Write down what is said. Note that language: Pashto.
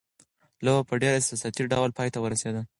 لوبه په ډېر احساساتي ډول پای ته ورسېده.